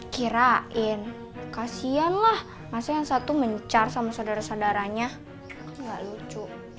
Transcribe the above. kirain kasianlah masa yang satu mencar sama saudara saudaranya enggak lucu